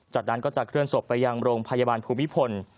จากนั้นก็จะเคลื่อนศพไปยังโรงพยาบาลภูมิพล